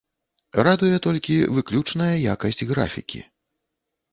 Радуе толькі выключная якасць графікі.